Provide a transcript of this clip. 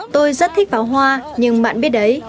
tôi rất thích pháo hoa nhưng bạn biết đấy